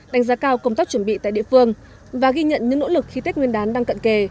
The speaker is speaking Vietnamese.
đánh giá cao công tác chuẩn bị tại địa phương và ghi nhận những nỗ lực khi tết nguyên đán đang cận kề